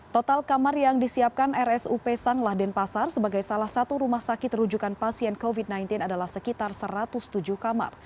total kamar yang disiapkan rsup sanglah denpasar sebagai salah satu rumah sakit rujukan pasien covid sembilan belas adalah sekitar satu ratus tujuh kamar